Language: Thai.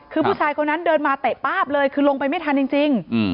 คือผู้ชายคนนั้นเดินมาเตะป๊าบเลยคือลงไปไม่ทันจริง